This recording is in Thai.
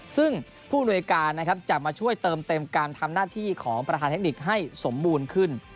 ซึ่งผู้อำนวยการนะครับจะมาช่วยเติมเต็มการทำหน้าที่ของประธานเทคนิคให้สมบูรณ์ขึ้น